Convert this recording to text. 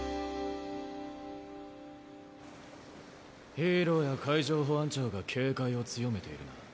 ヒーローや海上保安庁が警戒を強めているな。